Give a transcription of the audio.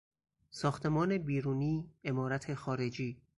ساختمان بیرونی، عمارت خارجی